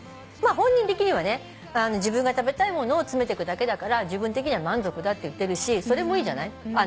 まあ本人的にはね自分が食べたいものを詰めてくだけだから自分的には満足だって言ってるしそれもいいじゃない。